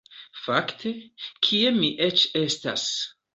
Fakte, kie mi eĉ estas?